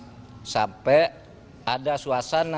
lalu sampai ada suasana